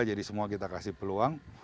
jadi semua kita kasih peluang